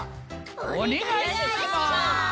おねがいします！